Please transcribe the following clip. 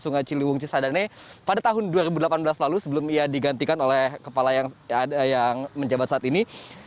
sungai ciliwung cisadane pada tahun dua ribu delapan belas lalu sebelum ia digantikan oleh kepala yang menjabat saat ini